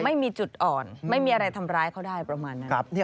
ไม่มีจุดอ่อนไม่มีอะไรทำร้ายเขาได้ประมาณนั้น